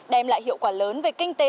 đem lại hiệu quả lớn về kinh tế